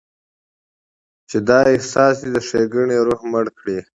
چې دا احساس دې د ښېګڼې روح مړ کړي.